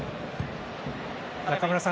中村さん。